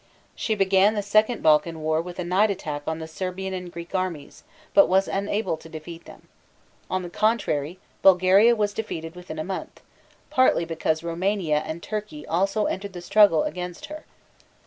She began the second Balkan war with a night attack on the Serbian and Greek armies, but was unable to defeat them. On the contrary Bulgaria was defeated within a month, partly because Roumania and Turkey also entered the struggle against her.